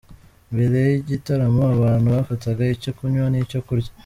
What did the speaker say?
Mbere y’igaitaramo abantu bafatanga icyo kunywa n’icyo kurya :.